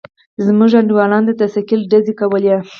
زموږ انډيوالانو د ثقيل ډزې کولې.